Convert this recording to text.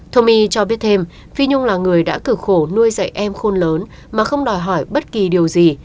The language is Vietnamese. thomai cho biết thêm phi nhung là người đã cử khổ nuôi dạy em khôn lớn mà không đòi hỏi bất kỳ điều gì